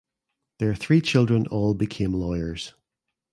Their three children all became lawyers.